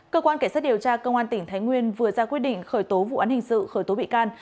cơ quan cảnh sát điều tra công an tỉnh thái nguyên vừa ra quyết định khởi tố vụ án hình sự khởi tố bị can